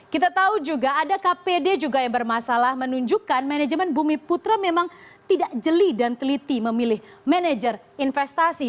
kita tahu juga ada kpd juga yang bermasalah menunjukkan manajemen bumi putra memang tidak jeli dan teliti memilih manajer investasi